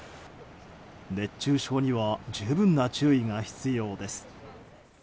熱中症には十分な注意が必要です。